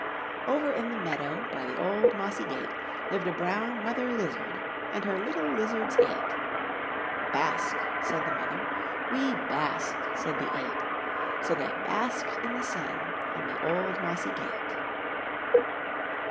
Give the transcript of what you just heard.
Over in the meadow. By the old mossy gate, Lived a brown mother lizard And her little lizards eight. 66 I N THE NURSERY '*Bask/* said the mother; ''We bask/' said the eight; So they basked in the sun On the old mossy gate.